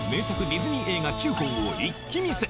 ディズニー映画９本を一気見せ！